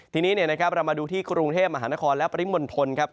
ทีนี้นะครับเรามาดูที่กรุงเทพฯมหานครและปฏิบันทนครับ